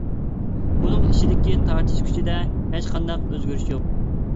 ئۇنىڭ ئىچىدىكى تارتىش كۈچىدە ھېچ قانداق ئۆزگىرىش يوق.